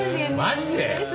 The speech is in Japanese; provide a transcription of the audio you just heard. マジで？